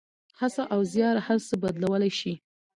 هڅه او زیار هر څه بدلولی شي.